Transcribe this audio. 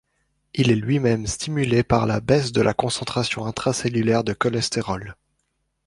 Il est lui-même stimulé par la baisse de la concentration intracellulaire de cholestérol.